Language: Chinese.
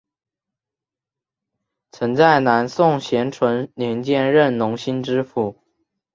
曾在南宋咸淳年间任隆兴知府。